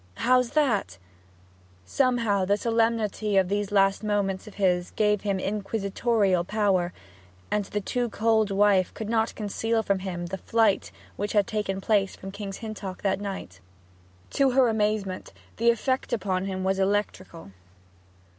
'How's that?' Somehow the solemnity of these last moments of his gave him inquisitorial power, and the too cold wife could not conceal from him the flight which had taken place from King's Hintock that night. To her amazement, the effect upon him was electrical.